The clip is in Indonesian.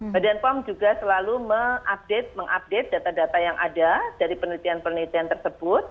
badan pom juga selalu mengupdate mengupdate data data yang ada dari penelitian penelitian tersebut